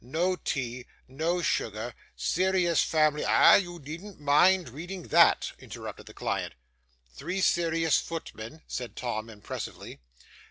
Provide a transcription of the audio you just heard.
No tea, no sugar. Serious family "' 'Ah! you needn't mind reading that,' interrupted the client. '"Three serious footmen,"' said Tom, impressively.